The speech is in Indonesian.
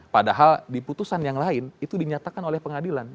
padahal di putusan yang lain itu dinyatakan oleh pengadilan